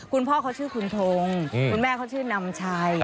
คุณพ่อเขาชื่อคุณทงคุณแม่เขาชื่อนำชัย